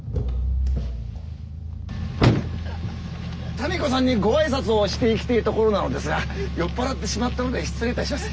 ・民子さんにご挨拶をしていきてえところなのですが酔っ払ってしまったので失礼いたします。